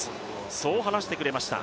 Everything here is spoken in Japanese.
そう話してくれました。